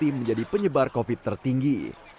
terbukti menjadi penyebar covid sembilan belas tertinggi